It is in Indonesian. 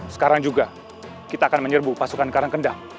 sekarang juga kita akan menyerbu pasukan karangkendang